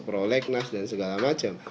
prolegnas dan segala macam